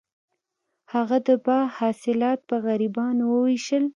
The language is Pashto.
هغه د باغ حاصلات په غریبانو وویشل.